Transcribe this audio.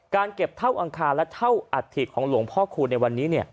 การเก็บเท้าอังคารและเท้าอัตถิกณฑ์ของหลวงพระคุณ